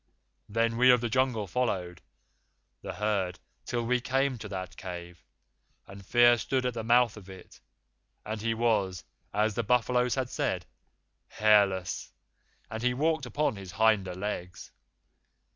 Then we of the Jungle followed the herd till we came to that cave, and Fear stood at the mouth of it, and he was, as the buffaloes had said, hairless, and he walked upon his hinder legs.